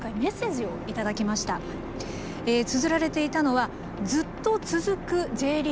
つづられていたのはずっと続くＪリーグ。